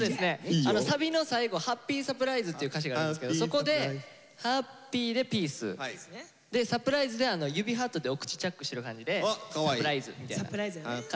サビの最後「ハッピーサプライズ」という歌詞があるんですけどそこで「ハッピー」でピース「サプライズ」で指ハートでお口チャックしてる感じで「サプライズ」みたいな感じでやって頂けると。